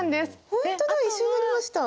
ほんとだ一緒になりました。